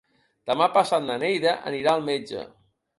Demà passat na Neida anirà al metge.